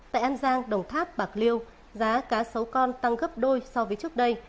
tại an giang đồng tháp bạc liêu giá cá sấu con tăng gấp đôi so với trước đây